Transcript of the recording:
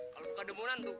kalau bukan demunan tuh